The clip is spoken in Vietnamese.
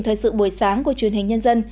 thời sự buổi sáng của truyền hình nhân dân